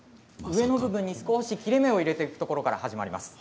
上の部分に少し切れ目を入れていくところから始まります。